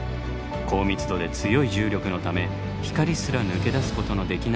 高密度で強い重力のため光すら抜け出すことのできない天体です。